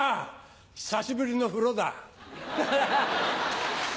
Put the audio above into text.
久しぶりの風呂だ！